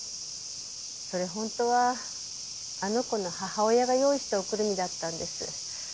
それ本当はあの子の母親が用意したおくるみだったんです。